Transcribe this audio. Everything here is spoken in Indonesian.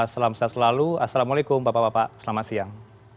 selamat siang selalu assalamualaikum bapak bapak selamat siang